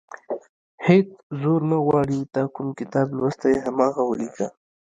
هېڅ زور نه غواړي تا کوم کتاب لوستی، هماغه ولیکه.